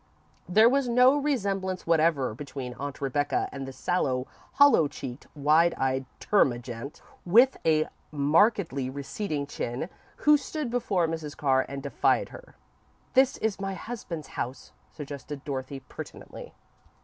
There was no resemblance whatever between Aunt Rebecca and the sallow, hollow cheeked, wide eyed termagant, with a markedly receding chin, who stood before Mrs. Carr and defied her. "This is my husband's house," suggested Dorothy, pertinently.